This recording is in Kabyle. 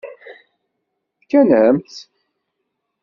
Fkan-am-tt.